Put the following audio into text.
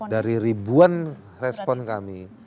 dari ribuan respon kami